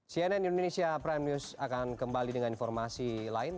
cnn indonesia prime news akan kembali dengan informasi lain